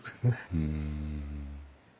うん。